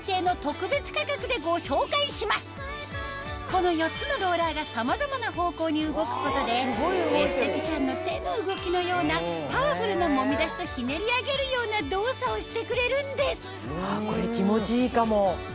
この４つのローラーがさまざまな方向に動くことでエステティシャンの手の動きのようなパワフルなもみ出しとひねり上げるような動作をしてくれるんですこれ気持ちいいかも！